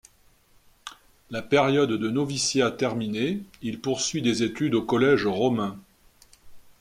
La période de noviciat terminée il poursuit des études au Collège romain.